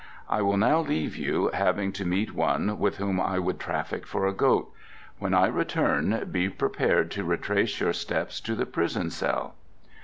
I will now leave you, having to meet one with whom I would traffic for a goat. When I return be prepared to retrace your steps to the prison cell."